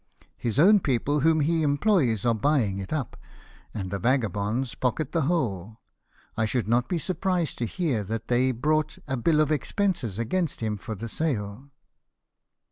His o\n\ people, whom he employs, are buying it up, and the vagabonds pocket the whole. I should not be surprised to hear that they brought a bill of expenses against him for the sale."